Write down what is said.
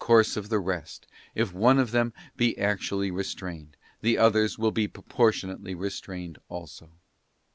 : course of the rest, and if one of them be actually restrained, the others will be proportionately restrained also.